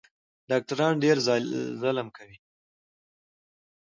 ډاکټران ډېر ظلم کوي